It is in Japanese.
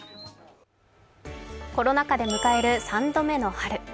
コロナ禍で迎える３度目の春。